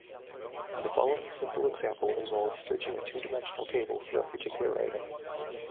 The following simple example involves searching a two-dimensional table for a particular item.